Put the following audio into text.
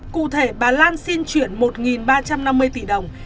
cụ thể bà lan xin chuyển một ba trăm năm mươi tỷ đồng